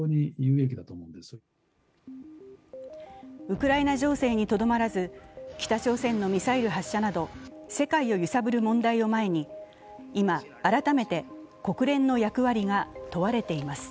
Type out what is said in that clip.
ウクライナ情勢にとどまらず北朝鮮のミサイル発射など世界を揺さぶる問題を前に今、改めて国連の役割が問われています。